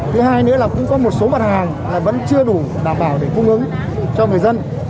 thứ hai nữa là cũng có một số mặt hàng vẫn chưa đủ đảm bảo để cung ứng cho người dân